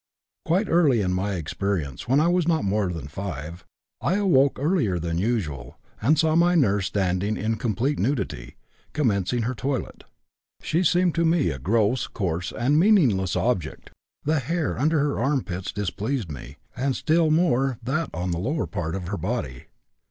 "Quite early in my experience, when I was not more than 5, I awoke earlier than usual, and saw my nurse standing in complete nudity, commencing her toilet. She seemed to me a gross, coarse, and meaningless object; the hair under her armpits displeased me, and still more that on the lower part of her body.